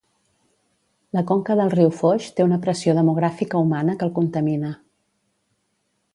La conca del riu Foix té una pressió demogràfica humana que el contamina.